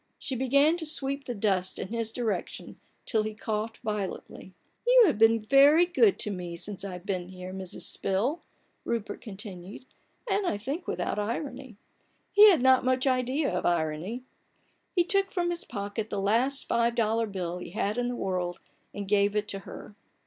She began to sweep the dust in his direction till he coughed violently. M You have been very good to me since I've been here, Mrs. Spill," Rupert continued; and, I think, without irony: he had not much idea of irony. He took from his pocket the last five dollar bill he had in the world and gave it to her.